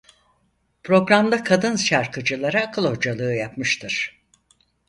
Programda kadın şarkıcılara akıl hocalığı yapmıştır.